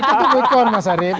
itu kekon mas arief